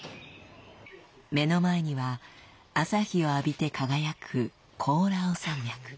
目の前には朝日を浴びて輝くコオラウ山脈。